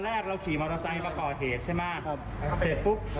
ไอ้ตัวนี่ไปทะเบียนคันที่ใส่อยู่